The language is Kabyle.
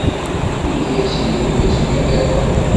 Ini-as i Yuba yessefk ad iṛuḥ.